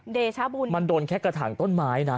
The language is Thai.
เดชาบุญมันโดนแค่กระถางต้นไม้นะ